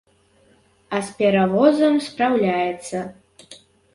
А з перавозам спраўляецца.